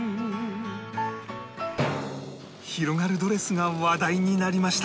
広がるドレスが話題になりました